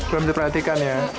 belum diperhatikan ya